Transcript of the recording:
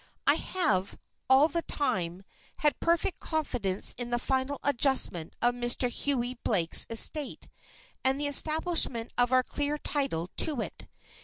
"I have, all the time, had perfect confidence in the final adjustment of Mr. Hughie Blake's estate and the establishment of our clear title to it.